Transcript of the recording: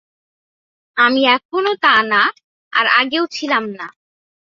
আমি এখনো তা না, আর আগেও ছিলাম না।